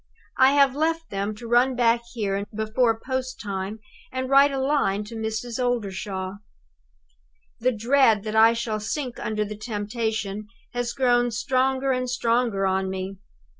I have left them to run back here before post time and write a line to Mrs. Oldershaw. "The dread that I shall sink under the temptation has grown stronger and stronger on me.